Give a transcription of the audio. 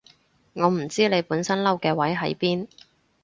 我唔知你本身嬲嘅位喺邊